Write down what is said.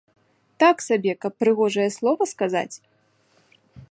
Так сабе, каб прыгожае слова сказаць?